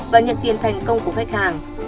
và nhận tiền thành công của khách hàng